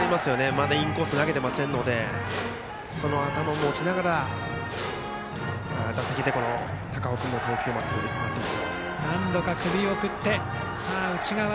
まだインコース投げてませんのでその頭を持ちながら打席で高尾君の投球を待っていますよ。